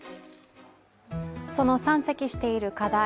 その山積している課題